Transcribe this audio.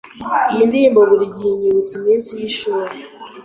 Iyi ndirimbo burigihe inyibutsa iminsi yishuri.